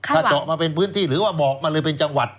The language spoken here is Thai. ถ้าเจาะมาเป็นพื้นที่หรือว่าบอกมาเลยเป็นจังหวัด